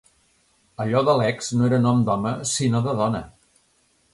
Allò d'Alex no era nom d'home, sinó de dona.